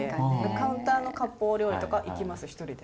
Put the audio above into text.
カウンターのかっぽう料理とか行きます一人で。